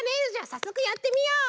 さっそくやってみよう。